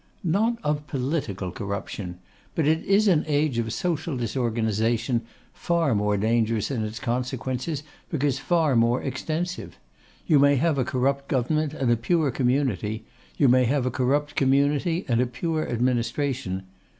'Not of political corruption. But it is an age of social disorganisation, far more dangerous in its consequences, because far more extensive. You may have a corrupt government and a pure community; you may have a corrupt community and a pure administration.